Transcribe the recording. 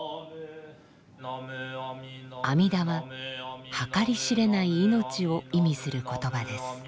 「阿弥陀」は計り知れない命を意味する言葉です。